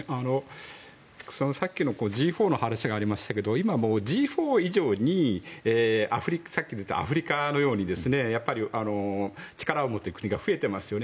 さっきのＧ４の話がありましたけど今、Ｇ４以上にさっき話に出たアフリカのように力を持っている国が増えていますよね。